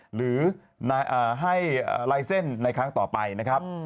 หรือให้ลายเส้นในครั้งต่อไปนะครับ